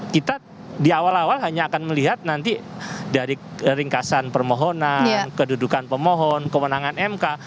kita di awal awal hanya akan melihat nanti dari ringkasan permohonan kedudukan pemohon kewenangan mk